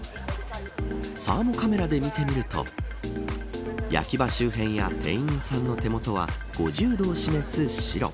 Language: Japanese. サーモカメラで見てみると焼き場周辺や店員さんの手元は５０度を示す白。